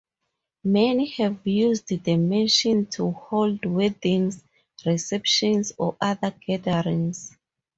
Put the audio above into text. Many have used the mansion to hold weddings, receptions, or other gatherings.